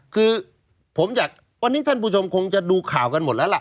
คือผมอยากวันนี้ท่านผู้ชมคงจะดูข่าวกันหมดแล้วล่ะ